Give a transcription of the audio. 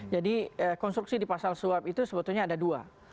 jadi konstruksi di pasal suap itu sebetulnya ada dua